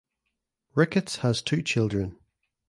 Ricketts has two children.